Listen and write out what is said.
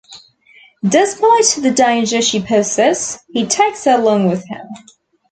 Despite the danger she poses, he takes her along with him.